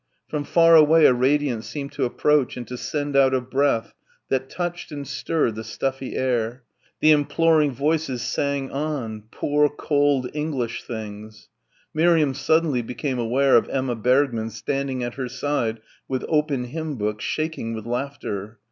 From far away a radiance seemed to approach and to send out a breath that touched and stirred the stuffy air ... the imploring voices sang on ... poor dears ... poor cold English things ... Miriam suddenly became aware of Emma Bergmann standing at her side with open hymn book shaking with laughter.